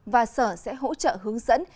và sở sẽ hỗ trợ hướng dẫn